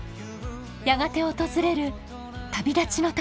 やがて訪れる旅立ちの時。